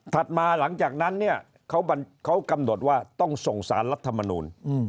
มาหลังจากนั้นเนี่ยเขากำหนดว่าต้องส่งสารรัฐมนูล